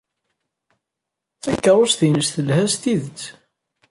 Takeṛṛust-nnes telha s tidet.